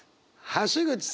橋口さん